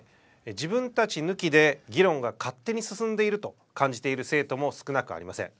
自分たち抜きで議論が勝手に進んでいると感じている生徒も少なくありません。